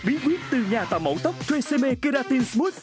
bí quyết từ nhà tạo mẫu tóc treseme keratin smooth